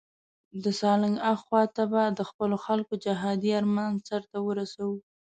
د سالنګ اخواته به د خپلو خلکو جهادي آرمان سرته ورسوو.